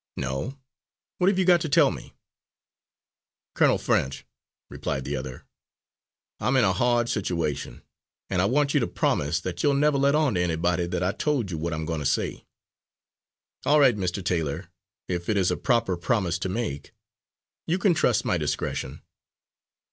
"No. What have you got to tell me?" "Colonel French," replied the other, "I'm in a hard situation, and I want you to promise that you'll never let on to any body that I told you what I'm going to say." "All right, Mr. Taylor, if it is a proper promise to make. You can trust my discretion."